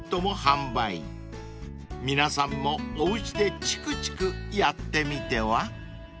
［皆さんもおうちでちくちくやってみては？］